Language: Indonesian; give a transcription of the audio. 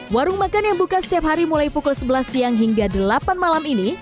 warung makan yang buka setiap hari mulai pukul sebelas siang hingga delapan malam ini